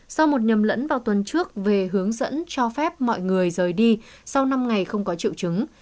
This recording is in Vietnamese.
sau một nhầm lẫn vào tuần trước về hướng dẫn cho phép mọi người rời đi sau năm ngày không có triệu chứng